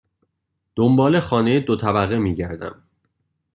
دنبال خانه دو طبقه می گردم.